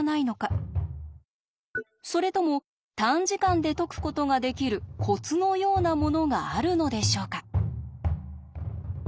それとも短時間で解くことができるコツのようなものがあるのでしょうか？